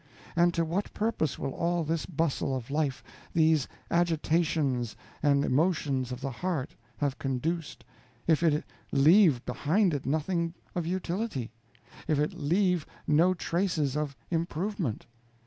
And to what purpose will all this bustle of life, these agitations and emotions of the heart have conduced, if it leave behind it nothing of utility, if it leave no traces of improvement?